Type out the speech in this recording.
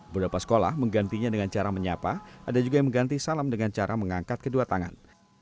beberapa sekolah menggantinya dengan cara menyapa ada juga yang mengganti salam dengan cara mengangkat kedua tangan